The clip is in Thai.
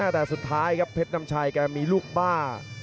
แต่สุดท้ายครับเผ็ตน้ำชายมีรุกบ้า